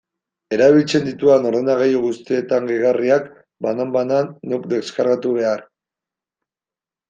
Erabiltzen ditudan ordenagailu guztietan gehigarriak, banan-banan, neuk deskargatu behar.